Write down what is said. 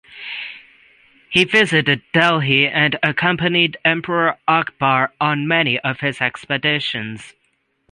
He visited Delhi and accompanied Emperor Akbar on many of his expeditions.